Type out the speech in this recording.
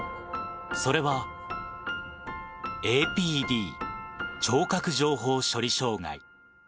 それは、ＡＰＤ・聴覚情報処理障害。